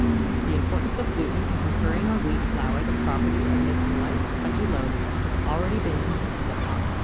The importance of gluten in conferring on wheat flour the property of making light spongy loaves has already been insisted upon.